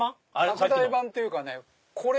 拡大版っていうかね